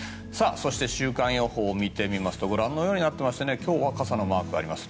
そして、週間予報を見てみますとご覧のようになっていまして今日は傘のマークがあります。